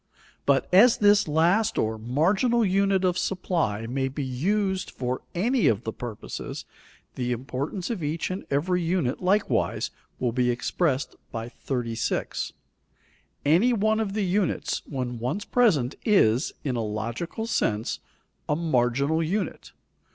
But as this last or marginal unit of supply may be used for any of the purposes, the importance of each and every unit likewise will be expressed by 36. Any one of the units, when once present is, in a logical sense, a marginal unit.